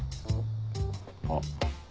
あっ。